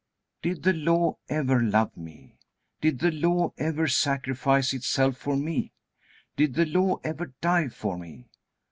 Did the Law ever love me? Did the Law ever sacrifice itself for me? Did the Law ever die for me?